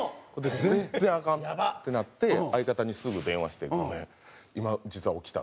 全然アカンってなって相方にすぐ電話して「ごめん！今実は起きた」。